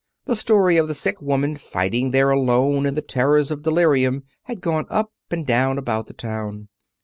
The story of the sick woman fighting there alone in the terrors of delirium had gone up and down about the town.